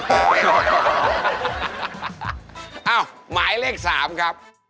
หมายเลข๓ครับ